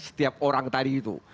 setiap orang tadi itu